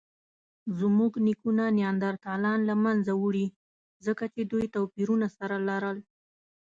زموږ نیکونو نیاندرتالان له منځه وړي؛ ځکه چې دوی توپیرونه سره لرل.